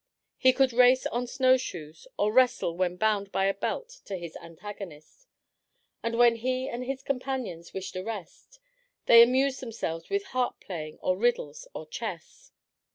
He could race on snowshoes, or wrestle when bound by a belt to his antagonist. Then when he and his companions wished a rest, they amused themselves with harp playing or riddles or chess.